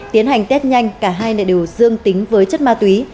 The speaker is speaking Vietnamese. tiến hành test nhanh cả hai đều dương tính với chất ma túy